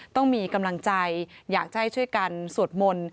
ต้องมีกำลังใจอยากจะให้ช่วยกันสวดมนต์